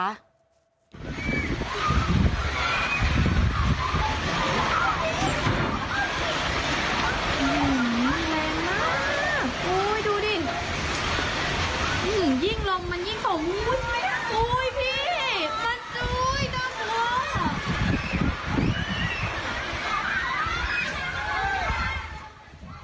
แรงมากอุ้ยดูดิอื้มยิ่งลงมันยิ่งของมุนไหมอุ้ยพี่มันจุ้ยด้วย